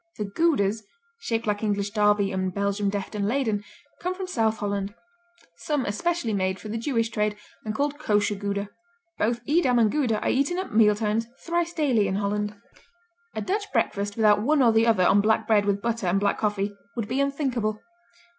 The Goudas, shaped like English Derby and Belgian Delft and Leyden, come from South Holland. Some are specially made for the Jewish trade and called Kosher Gouda. Both Edam and Gouda are eaten at mealtimes thrice daily in Holland. A Dutch breakfast without one or the other on black bread with butter and black coffee would be unthinkable.